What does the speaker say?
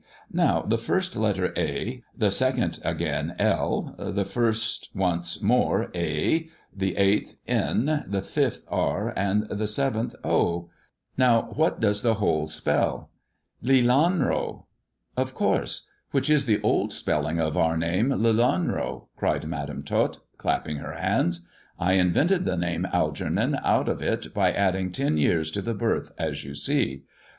Now the first letter, ' a *; the second again, * 1 '; the first once more, * a '; the eighth, * n '; the fifth, * r '; and the seventh, * o.' Now wliat does the whole spell ]"Lealanro." ( THE dwarf's chamber 157 "Of course. Which is the old spelling of our name Lelanro," cried Madam Tot, clapping her hands. '* I in vented the name Algernon out of it by adding ten years to the birth, as you see.